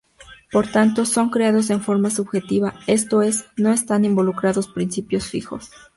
Por tanto, son creados en forma subjetiva; esto es, no están involucrados principios fijos.